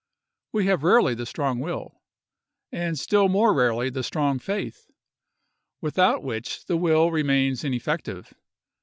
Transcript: We have rarely the strong will, and still more rarely the strong faith, without which the will remains ineffective.